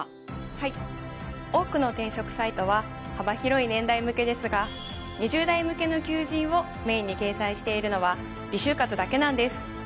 はい多くの転職サイトは幅広い年代向けですが２０代向けの求人をメインに掲載しているのはＲｅ就活だけなんです。